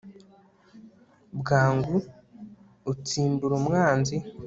bwangu utsimbura umwanzi